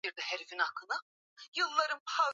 Kuchanganya wanyama katika maeneo ya kunywea maji